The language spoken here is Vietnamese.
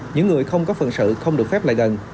những người không có phận sự không được phép lại gần